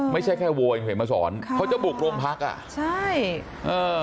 ไม่ใช่แค่โวยคุณเห็นมาสอนค่ะเขาจะบุกโรงพักอ่ะใช่เออ